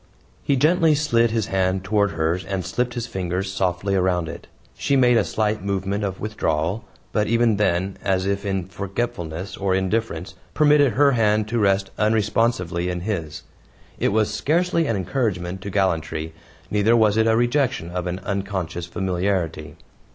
He gently slid his hand toward hers and slipped his fingers softly around it. She made a slight movement of withdrawal, but even then as if in forgetfulness or indifference permitted her hand to rest unresponsively in his. It was scarcely an encouragement to gallantry, neither was it a rejection of an unconscious familiarity.